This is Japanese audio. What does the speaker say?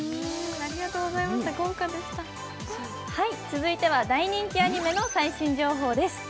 続いては、大人気アニメの最新情報です。